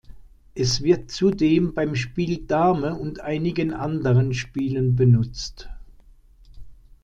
Es wird zudem beim Spiel Dame und einigen anderen Spielen benutzt.